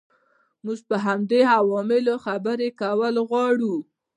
موږ په همدې عواملو خبرې کول غواړو.